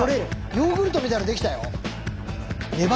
ヨーグルトみたいのできたよ。